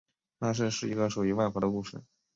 那是一个属于外婆的故事